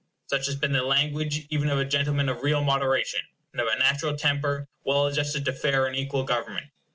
Such has been the language even of a gentleman of real moderation, and of a natural temper well adjusted to fair and equal government.